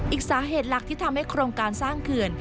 อีกสาเหตุหลักที่ทำให้โครงการสร้างเขื่อน